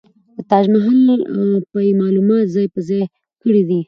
د تاج محل په يې معلومات ځاى په ځاى کړي دي.